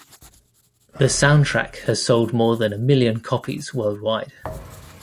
The soundtrack has sold more than a million copies worldwide.